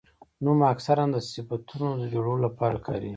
نوم اکثره د صفتونو د جوړولو له پاره کاریږي.